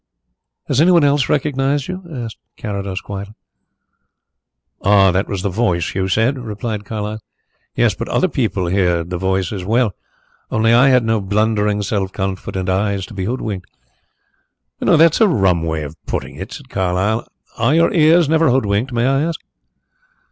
"Has anyone else recognized you?" asked Carrados quietly. "Ah, that was the voice, you said," replied Carlyle. "Yes; but other people heard the voice as well. Only I had no blundering, self confident eyes to be hoodwinked." "That's a rum way of putting it," said Carlyle. "Are your ears never hoodwinked, may I ask?"